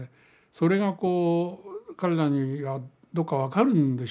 それがこう彼らにはどこか分かるんでしょうね。